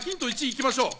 １、行きましょう。